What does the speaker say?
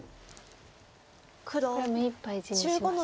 これは目いっぱい地にしましたか。